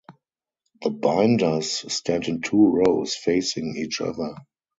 The binders stand in two rows facing each other.